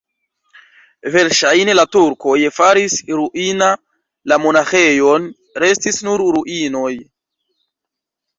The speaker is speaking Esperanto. Verŝajne la turkoj faris ruina la monaĥejon, restis nur ruinoj.